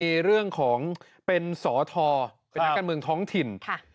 มีเรื่องของเป็นสอทอเป็นนักการเมืองท้องถิ่น